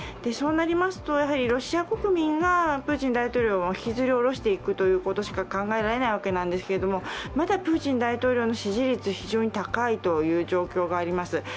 そうなりますと、ロシア国民がプーチン大統領を引きずりおろしていくことしか考えられないのですが、まだプーチン大統領の支持率、非常に高い状況があります。